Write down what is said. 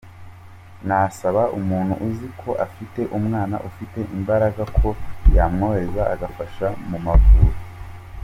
Nasaba umuntu uzi ko afite umwana ufite imbaraga ko yamwohereza agafasha mu Mavubi.